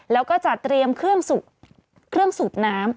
แล้วก็จัดเตรียมเครื่องสูบน้ำ